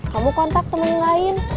kamu kontak temen lain